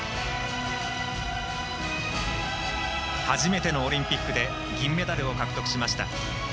初めてのオリンピックで銀メダルを獲得しました。